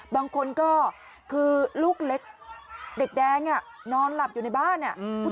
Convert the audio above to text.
บางคนก็คือลูกเล็กเด็กแดงนอนหลับอยู่ในบ้าน